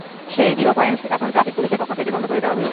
সেই zero point এখন traffic পুলিশের পক্ষ থেকে বন্ধ করে দেওয়া হয়েছে।